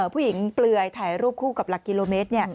ผู้หญิงเปลือยถ่ายรูปคู่กับหลักกิโลเมตร